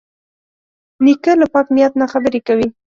نیکه له پاک نیت نه خبرې کوي.